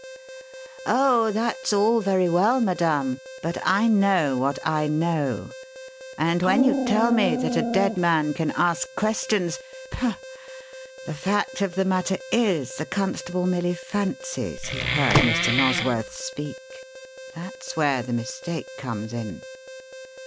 "Oh, that's all very well, madame, but I know what I know; and when you tell me that a dead man can ask questions Pah! The fact of the matter is the constable merely fancies he heard Mr. Nosworth speak. That's where the mistake comes in.